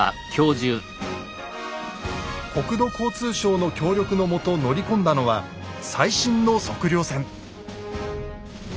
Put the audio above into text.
国土交通省の協力のもと乗り込んだのは最新の測量船。